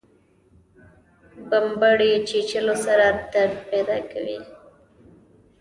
بمبړې چیچلو سره درد پیدا کوي